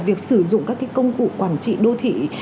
việc sử dụng các công cụ quản trị đô thị